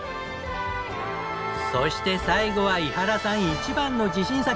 そして最後は伊原さん一番の自信作！